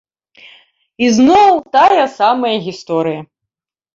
Ізноў тая самая гісторыя!